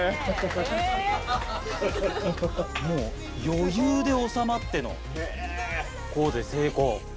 余裕で収まってのコーデ成功。